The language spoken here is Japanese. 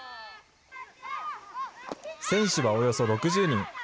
選手はおよそ６０人。